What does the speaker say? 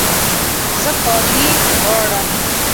زه کالي غواړم